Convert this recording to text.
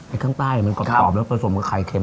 ไอ้ข้างใต้มันก็ขอบแล้วกระสมกับไข่เค็ม